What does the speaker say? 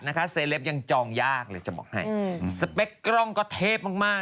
เซเลปยังจองยากเลยจะบอกให้สเปคกล้องก็เทพมากมาก